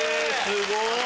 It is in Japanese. すごい！